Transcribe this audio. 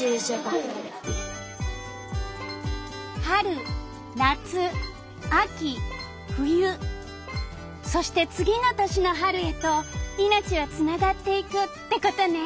春夏秋冬そして次の年の春へといのちはつながっていくってことね！